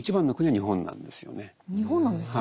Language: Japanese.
日本なんですか？